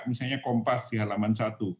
misalnya kompas di halaman satu